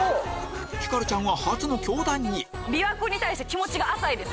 ひかるちゃんは初の教壇に琵琶湖に対して気持ちが浅い。